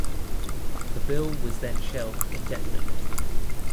The bill was then shelved indefinitely.